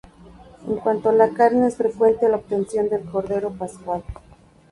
En cuanto a la carne es frecuente la obtención del cordero pascual.